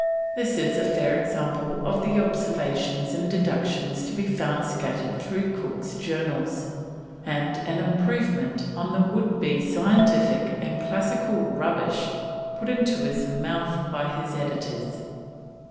This is a fair example of the observations and deductions to be found scattered through Cook's Journals, and an improvement on the would be scientific and classical rubbish put into his mouth by his editors.